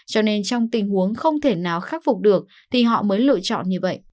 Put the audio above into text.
cho nên trong tình huống không thể nào khắc phục được thì họ mới lựa chọn như vậy